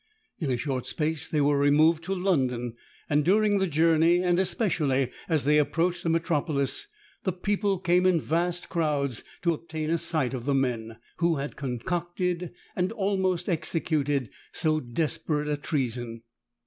In a short space they were removed to London: and during the journey, and especially as they approached the metropolis, the people came in vast crowds to obtain a sight of men, who had concocted and almost executed so desperate a treason.